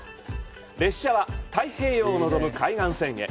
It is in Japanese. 列車は太平洋を望む海岸線へ。